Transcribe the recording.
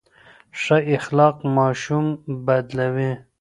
ښه اخلاق ماشوم بدلوي.